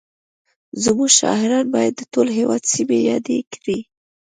زموږ شاعران باید د ټول هېواد سیمې یادې کړي